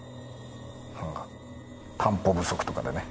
何か担保不足とかでね。